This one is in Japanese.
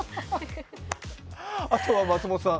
あとは松本さん